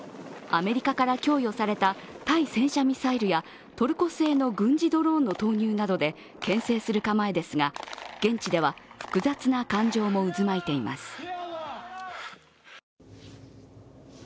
アメリカから供与された対戦車ミサイルやトルコ製の軍事ドローンの投入などでけん制する構えですが現地では複雑な感情も渦巻いています。